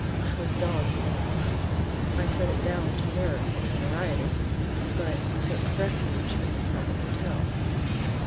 I was dogged day and night. I set it down to nerves and notoriety; but took refuge in a private hotel.